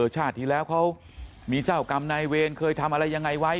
ชาติที่แล้วเขามีเจ้ากรรมนายเวรเคยทำอะไรยังไงไว้